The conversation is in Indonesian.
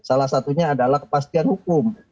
salah satunya adalah kepastian hukum